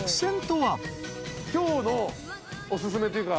今日のお薦めというか。